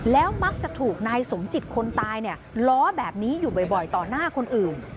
แล้วมักจะถูกนายสมจิตคนตายเนี่ยล้อแบบนี้อยู่บ่อยต่อหน้าคนอื่น